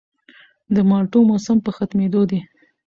د مالټو موسم په ختمېدو دی